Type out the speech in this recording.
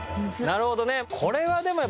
なるほどね。